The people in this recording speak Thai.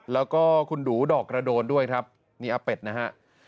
แล้วก็คุณดูดอกกระโดนด้วยครับนี่อาเป็ดนะฮะ